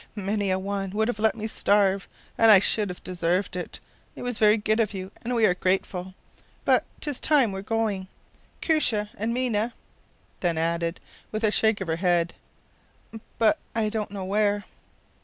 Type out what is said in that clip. “Many a one would have let me starve, and I should have deserved it. It is very good of you and we are grateful; but ‘tis time we were going, Koosje and Mina;” then added, with a shake of her head, “but I don’t know where.